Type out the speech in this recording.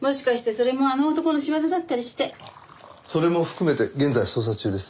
それも含めて現在捜査中です。